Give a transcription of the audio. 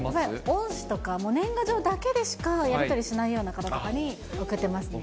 恩師とか、年賀状だけでしかやり取りしないような方とかに、送ってますね。